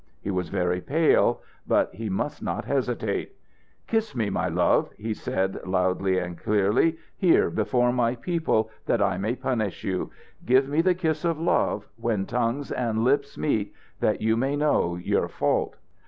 He was very pale, but he must not hesitate. "Kiss me, my love," he said, loudly and clearly, "here before my people, that I may punish you. Give me the kiss of love, when tongues and lips meet, that you may know your fault."